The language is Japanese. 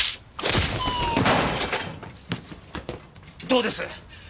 どうです？